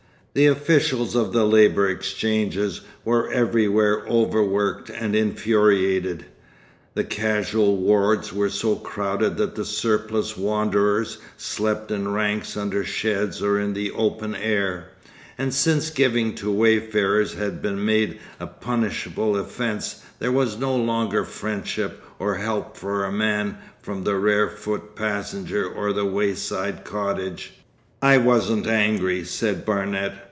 The officials of the labour exchanges were everywhere overworked and infuriated, the casual wards were so crowded that the surplus wanderers slept in ranks under sheds or in the open air, and since giving to wayfarers had been made a punishable offence there was no longer friendship or help for a man from the rare foot passenger or the wayside cottage.... 'I wasn't angry,' said Barnet.